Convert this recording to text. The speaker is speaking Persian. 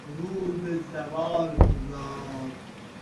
رو به زوال گذارد